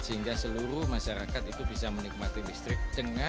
sehingga seluruh masyarakat itu bisa menikmati listrik